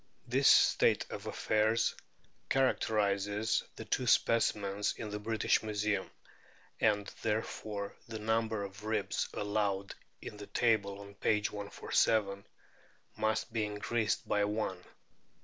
This state of affairs characterises the two specimens in the British Museum, and therefore the number of ribs allowed in the table on p. 147 must be increased by one.